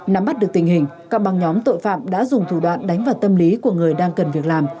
nắm bắt được tình hình các băng nhóm tội phạm đã dùng thủ đoạn đánh vào tâm lý của người đang cần việc làm